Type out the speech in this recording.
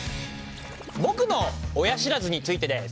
僕の親知らずについてです。